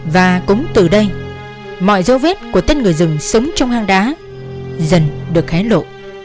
và cũng từ đây mọi dấu vết của tên người rừng sống trong hang đá dần được hé lộ